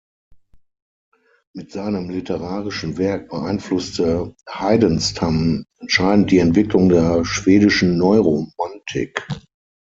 Mit seinem literarischen Werk beeinflusste Heidenstam entscheidend die Entwicklung der schwedischen Neuromantik.